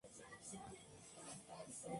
De todo".